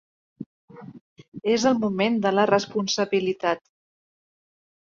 És el moment de la responsabilitat.